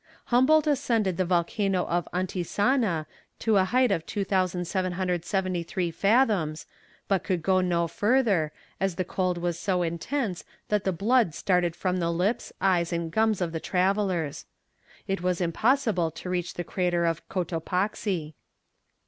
Humboldt ascended the volcano of Antisana to a height of 2773 fathoms, but could go no further, as the cold was so intense that the blood started from the lips, eyes, and gums of the travellers. It was impossible to reach the crater of Cotopaxi.